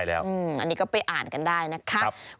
อันนี้ก็ไปอ่านกันได้นะครับ